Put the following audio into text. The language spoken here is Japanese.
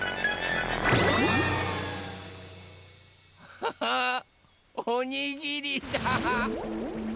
ハハおにぎりだ！